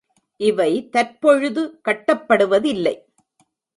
இவை தற்பொழுது கட்டப்படுவதில்லை.